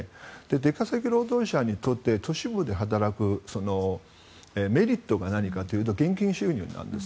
出稼ぎ労働者にとって都市部で働くメリットが何かというと現金収入なんです。